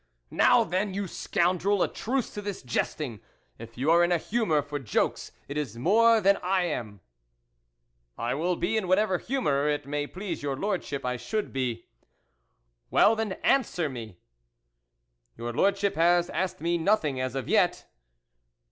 " Now, then, you scoundrel, a truce to this jesting ! If you are in a humour for jokes, it is more than I am !"" I will be in whatever humour it may please your Lordship I should be." " Well, then, answer me." " Your Lordship has asked me nothing as yet."